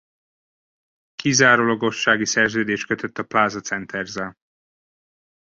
Kizárólagossági szerződést kötött a Plaza Centers-szel.